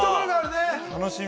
楽しみ。